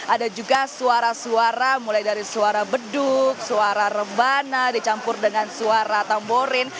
ada juga suara suara mulai dari suara beduk suara rebana dicampur dengan suara tamborin